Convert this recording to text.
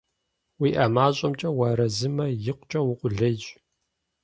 УиӀэ мащӀэмкӀэ уарэзымэ, икъукӀэ укъулейщ.